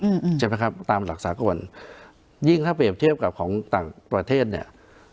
อืมใช่ไหมครับตามหลักสากลยิ่งถ้าเปรียบเทียบกับของต่างประเทศเนี้ย